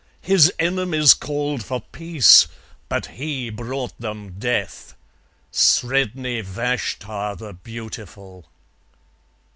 His enemies called for peace, but he brought them death. Sredni Vashtar the Beautiful.